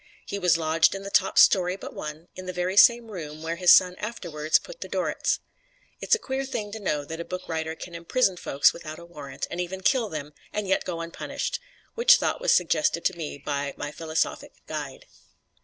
He was lodged in the top story but one, in the very same room where his son afterwards put the Dorrits. It's a queer thing to know that a book writer can imprison folks without a warrant and even kill them and yet go unpunished which thought was suggested to me by my philosophic guide.